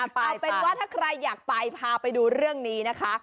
เอาเป็นว่าถ้าใครอยากไปพาไปดูเรื่องนี้นะคะ